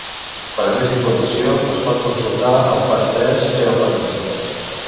Per a més informació, es pot consultar el pas tres "Fer el pagament".